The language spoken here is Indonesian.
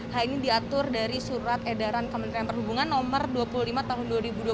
hal ini diatur dari surat edaran kementerian perhubungan no dua puluh lima tahun dua ribu dua puluh